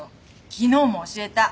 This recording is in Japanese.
昨日も教えた。